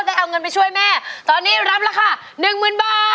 ได้เอาเงินไปช่วยแม่ตอนนี้รับราคาหนึ่งหมื่นบาท